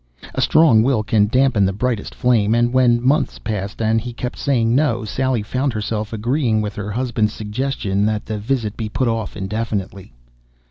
A strong will can dampen the brightest flame, and when months passed and he kept saying 'no,' Sally found herself agreeing with her husband's suggestion that the visit be put off indefinitely.